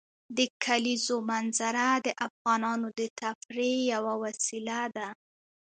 د کلیزو منظره د افغانانو د تفریح یوه وسیله ده.